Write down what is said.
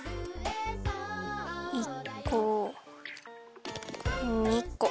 １こ２こ。